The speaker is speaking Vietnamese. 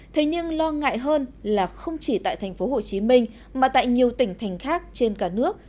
thế nhưng lo ngại hơn là không chỉ tại tp hcm mà tại nhiều tỉnh thành khác trên cả nước